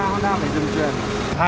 honda phải dừng chuyền